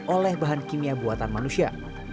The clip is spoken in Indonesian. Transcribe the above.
oleh bahan kimia buatan manusia